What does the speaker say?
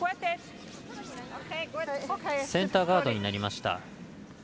センターガードになりました。